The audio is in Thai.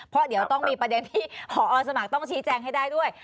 เพราะเดี๋ยวต้องมีประเด็นที่พอสมัครต้องชี้แจงให้ได้ด้วย